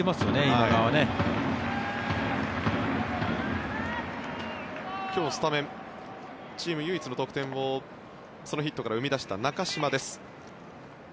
今日、スタメンチーム唯一の得点をそのヒットから生み出した中島です。